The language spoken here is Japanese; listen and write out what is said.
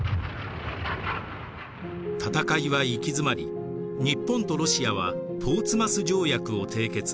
戦いは行き詰まり日本とロシアはポーツマス条約を締結。